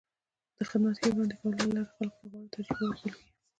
د خدمت ښې وړاندې کولو له لارې خلکو ته غوره تجربه ورکول کېږي.